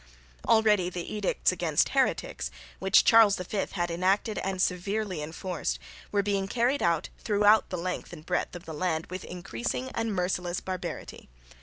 Already the edicts against heretics, which Charles V had enacted and severely enforced, were being carried out throughout the length and breadth of the land with increasing and merciless barbarity.